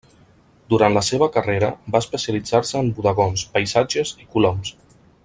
Durant la seva carrera va especialitzar-se en bodegons, paisatges i coloms.